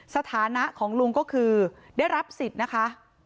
สถานะของลุงก็คือได้รับสิทธิ์นะคะ